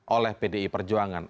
oleh pdi perjuangan